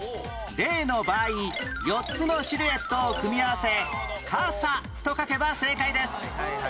例の場合４つのシルエットを組み合わせ傘と書けば正解です